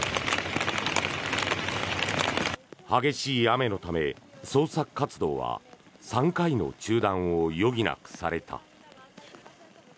激しい雨のため、捜索活動は３回の中断を余儀なくされた。